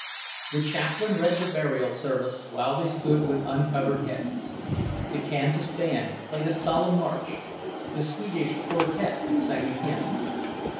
The Chaplain read the burial service while they stood with uncovered heads. The Kansas band played a solemn march, the Swedish quartette sang a hymn.